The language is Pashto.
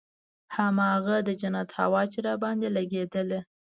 هماغه د جنت هوا چې راباندې لګېدله.